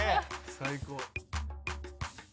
「最高」